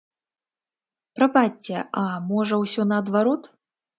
Прабачце, а можа, усё наадварот?